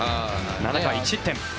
７回１失点。